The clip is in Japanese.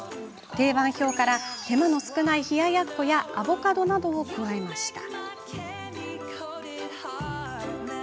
定番表から手間の少ない冷ややっこやアボカドなどを加えました。